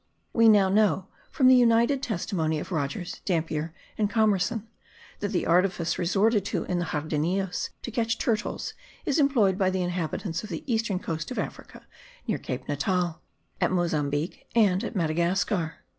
We now know, from the united testimony of Rogers, Dampier and Commerson, that the artifice resorted to in the Jardinillos to catch turtles is employed by the inhabitants of the eastern coast of Africa, near Cape Natal, at Mozambique and at Madagascar.